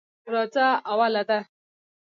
راځه اوله ده.